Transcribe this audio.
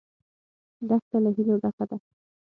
دښته له هیلو ډکه ده.